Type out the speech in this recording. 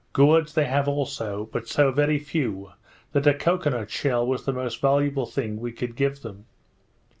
Gourds they have also, but so very few, that a cocoa nut shell was the most valuable thing we could give them.